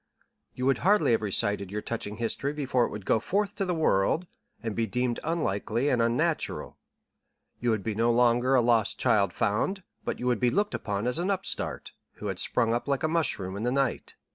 You would hardly have recited your touching history before it would go forth to the world, and be deemed unlikely and unnatural. You would be no longer a lost child found, but you would be looked upon as an upstart, who had sprung up like a mushroom in the night.